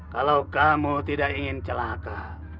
kalau kamu tidak ingin celaka